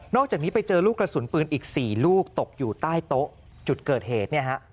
อกจากนี้ไปเจอลูกกระสุนปืนอีก๔ลูกตกอยู่ใต้โต๊ะจุดเกิดเหตุ